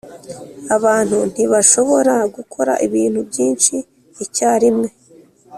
abantu ntibashobora gukora ibintu byinshi icyarimwe.